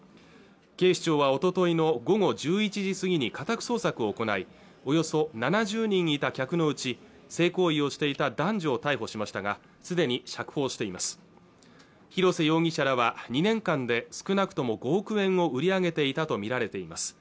警視庁はおとといの午後１１時過ぎに家宅捜索を行いおよそ７０人いた客のうち性行為をしていた男女を逮捕しましたがすでに釈放しています広瀬容疑者らは２年間で少なくとも５億円を売り上げていたと見られています